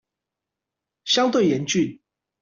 相對嚴峻